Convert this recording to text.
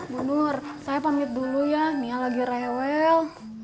munur saya pamit dulu ya nia lagi rewel